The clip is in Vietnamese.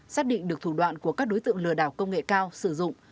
xác định được thủ đoạn của các đối tượng lừa đảo công nghệ cao sử dụng